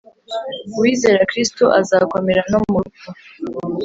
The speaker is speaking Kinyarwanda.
Uwizera kristo azakomera nomurupfu